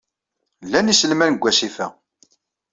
Llan yiselman deg wasif-a.